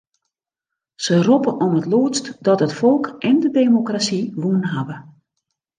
Se roppe om it lûdst dat it folk en de demokrasy wûn hawwe.